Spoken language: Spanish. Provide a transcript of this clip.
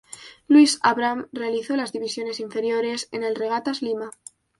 Luis Abram realizó las divisiones inferiores en el Regatas Lima.